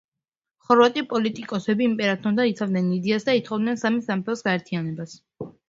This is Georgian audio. ხორვატი პოლიტიკოსები იმპერატორთან იცავდნენ იდეას და ითხოვდნენ სამი სამეფოს გაერთიანებას.